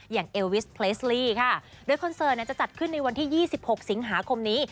อย่างเอลวิสเพลสลีค่ะโดยคอนเสิร์ตเนี้ยจะจัดขึ้นในวันที่ยี่สิบหกสิงหาคมนี้